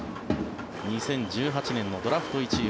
２０１８年のドラフト１位。